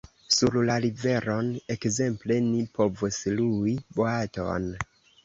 Sur la riveron, ekzemple, ni povus lui boaton.